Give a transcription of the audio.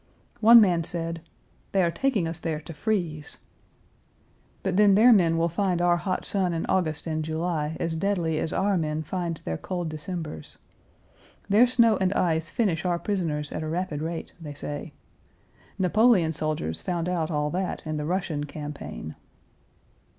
One man said: "They are taking us there to freeze." But then their men will find our hot sun in August and July as deadly as our men find their cold Decembers. Their snow and ice finish our prisoners at a rapid rate, they say. Napoleon's soldiers found out all that in the Russian campaign.